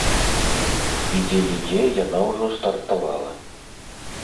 І дзе-нідзе яна ўжо стартавала.